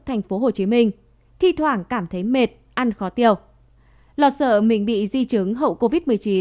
tp hcm thi thoảng cảm thấy mệt ăn khó tiêu lo sợ mình bị di chứng hậu covid một mươi chín